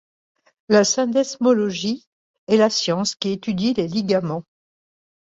La syndesmologie est la science qui étudie les ligaments.